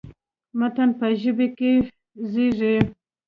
متن په ژبه کې زېږي.